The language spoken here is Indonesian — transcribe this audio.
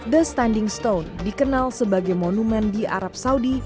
the standing stone dikenal sebagai monumen di arab saudi